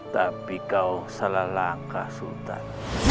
tapi kau salah langkah sultan